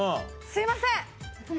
すいません！